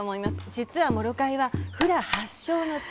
実はモロカイはフラ発祥の地。